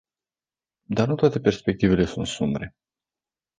Dar nu toate perspectivele sunt sumbre.